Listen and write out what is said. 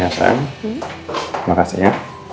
ya sayang terima kasih ya